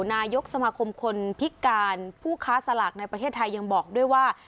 นายกสมาคมคนพิการผู้ค้าสลากในประเทศไทยยังบอกด้วยว่า